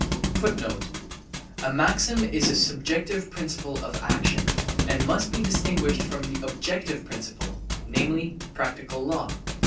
* A maxim is a subjective principle of action, and must be distinguished from the objective principle, namely, practical law.